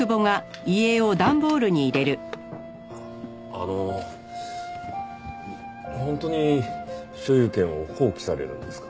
あの本当に所有権を放棄されるんですか？